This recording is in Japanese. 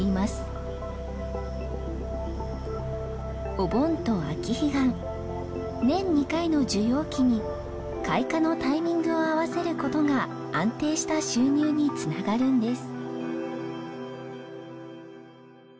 お盆と秋彼岸年２回の需要期に開花のタイミングを合わせる事が安定した収入に繋がるんです。